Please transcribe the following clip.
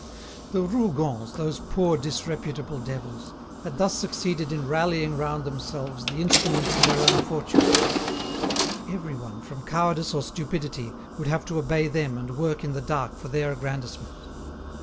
The Rougons, those poor disreputable devils, had thus succeeded in rallying round themselves the instruments of their own fortune. Everyone, from cowardice or stupidity, would have to obey them and work in the dark for their aggrandisement.